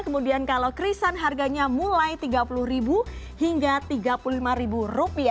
kemudian kalau krisan harganya mulai rp tiga puluh hingga rp tiga puluh lima